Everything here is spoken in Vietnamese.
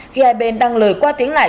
khi hai bên đang lời qua tiếng lại